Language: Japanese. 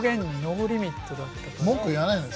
文句言わないのよ